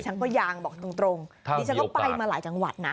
ฉันก็ยางบอกตรงดิฉันก็ไปมาหลายจังหวัดนะ